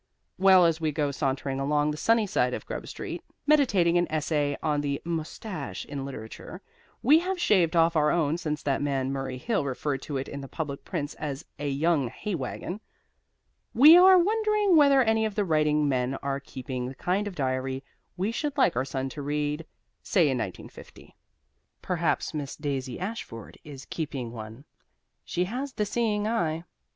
Well, as we go sauntering along the sunny side of Grub Street, meditating an essay on the Mustache in Literature (we have shaved off our own since that man Murray Hill referred to it in the public prints as "a young hay wagon"), we are wondering whether any of the writing men are keeping the kind of diary we should like our son to read, say in 1950. Perhaps Miss Daisy Ashford is keeping one. She has the seeing eye.